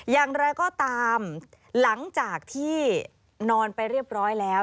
อย่างไรก็ตามหลังจากที่นอนไปเรียบร้อยแล้ว